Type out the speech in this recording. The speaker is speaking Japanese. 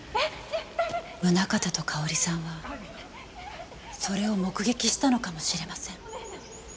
宗形と佳保里さんはそれを目撃したのかもしれません。